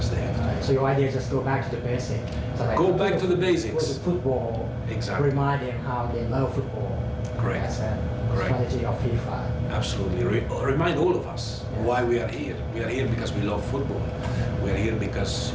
เราต้องเป็นผู้แก่ฝ่าอย่างฟุตบอลแฟนซ์